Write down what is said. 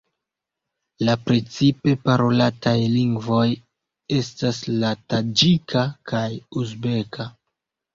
La precipe parolataj lingvoj estas la taĝika kaj uzbeka.